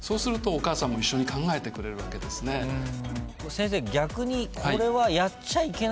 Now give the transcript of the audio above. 先生。